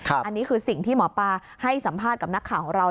อันนี้คือสิ่งที่หมอปลาให้สัมภาษณ์กับนักข่าวของเรา